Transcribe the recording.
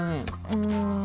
うん。